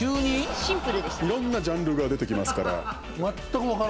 いろんなジャンルが出てきますから。